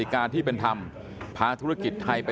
การสอบส่วนแล้วนะ